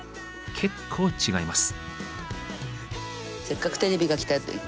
結構違います。